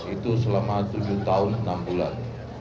itu selama tujuh tahun enam bulan